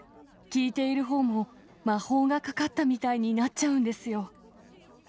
聞いているほうも、魔法がかかったみたいになっちゃうんですよ。